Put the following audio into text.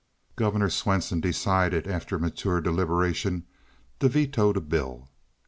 Governor Swanson decided after mature deliberation to veto the bill.